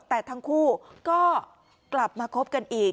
แต่ทั้งคู่ก็กลับมาคบกันอีก